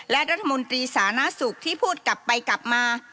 และรัฐมนตรีสาธารณสุขที่พูดกลับไปกลับมา